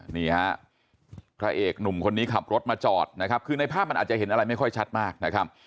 นี่ฮะพระเอกหนุ่มคนนี้ขับรถมาจอดนะครับคือในภาพมันอาจจะเห็นอะไรไม่ค่อยชัดมากนะครับ